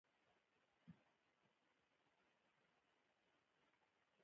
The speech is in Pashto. زه نه پوهیدم چې د څو پنجرو تر شا بندي یم.